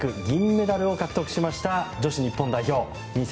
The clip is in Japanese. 銀メダルを獲得しました女子日本代表。